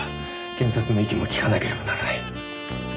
検察の意見も聞かなければならない。